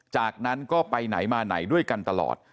จากนั้นก็ไปไหนมาไหนด้วยกันตลอด